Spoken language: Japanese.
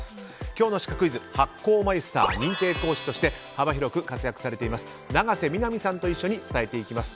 今日のシカクイズ発酵マイスター・認定講師として幅広く活躍されています長瀬みなみさんと一緒に伝えていきます。